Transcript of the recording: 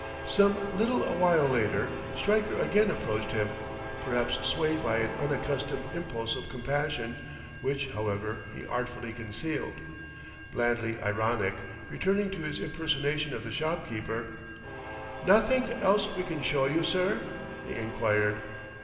Some little while later, Stryker again approached him, perhaps swayed by an unaccustomed impulse of compassion; which, however, he artfully concealed. Blandly ironic, returning to his impersonation of the shopkeeper, "Nothink else we can show you, sir?" he inquired.